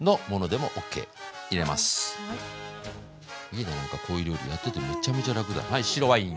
いいねなんかこういう料理やっててめっちゃめちゃ楽だ。